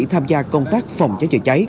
tham gia công tác phòng cháy chữa cháy